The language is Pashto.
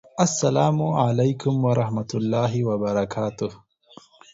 السلام علیکم ورحمة الله وبرکاته